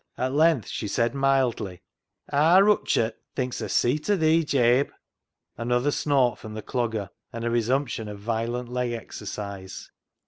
At length she said mildly —" Aar Rutchart [Richard] thinks a seet o' thee, Jabe." Another snort from the Clogger, and a resumption of violent leg exercise.